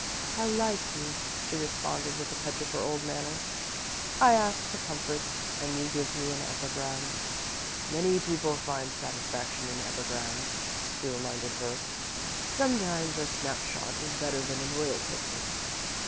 "How like you," she responded, with a touch of her old manner. "I ask for comfort and you give me an epigram." "Many people find satisfaction in epigrams," he reminded her. "Sometimes a snap shot is better than an oil painting."